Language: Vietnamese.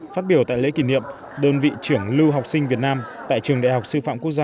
phát biểu tại lễ kỷ niệm đơn vị trưởng lưu học sinh việt nam tại trường đại học sư phạm quốc gia